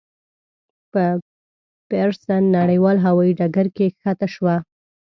په پېرسن نړیوال هوایي ډګر کې کښته شوه.